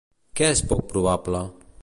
Què és poc probable?